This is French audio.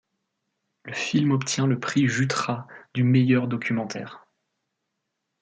Le film obtient le prix Jutra du meilleur documentaire.